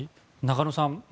中野さん